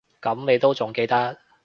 噉你都仲記得